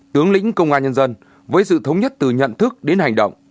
tướng lĩnh công an nhân dân với sự thống nhất từ nhận thức đến hành động